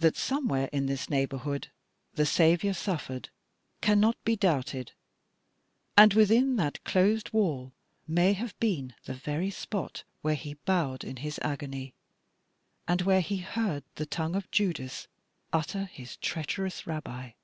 That somewhere in this neighborhood the Saviour suffered cannot be doubted, and within that closed wall may have been the very spot where he bowed in his agony, and where he heard the tongue of Judas utter his treacherous "Rabbi!"